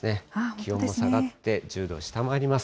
気温も下がって１０度を下回ります。